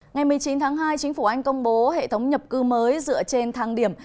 ngày một mươi chín tháng hai chính phủ anh công bố hệ thống nhập cư mới dựa trên thang điểm